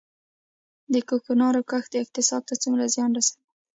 د کوکنارو کښت اقتصاد ته څومره زیان رسوي؟